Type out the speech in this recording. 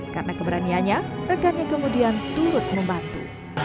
karena keberanianya rekannya kemudian turut membantu